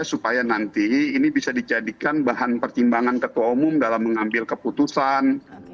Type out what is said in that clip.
supaya nanti ini bisa dijadikan bahan pertimbangan ketua umum dalam mengambil keputusan